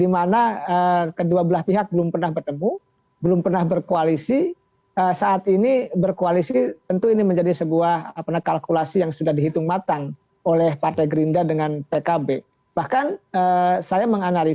yang secara elektabilitas justru lebih tinggi lebih menjanjikan mungkin